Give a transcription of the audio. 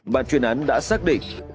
bà chuyên án đã xác định